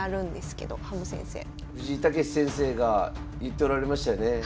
藤井猛先生が言っておられましたよね